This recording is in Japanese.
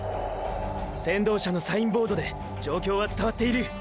先導車のサインボードで状況は伝わっている。